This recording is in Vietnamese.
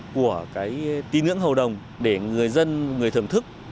của cái tín ngưỡng hậu đồng để người dân về thưởng thức